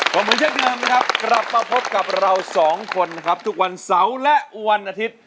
สู้ชีวิตทั่วประเทศ